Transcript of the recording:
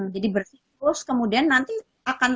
jadi berikut kemudian nanti akan